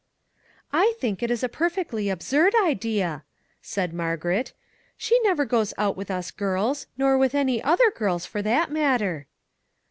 " I think it is a perfectly absurd idea !" said Margaret. " She never goes out with us girls, nor with any other girls, for that matter."